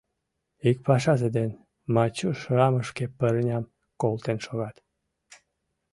Ик пашазе ден Мачуш рамышке пырням колтен шогат.